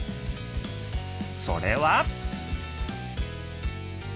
それは。